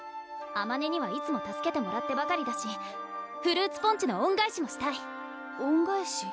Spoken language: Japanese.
あまねにはいつも助けてもらってばかりだしフルーツポンチの恩返しもしたい恩返し？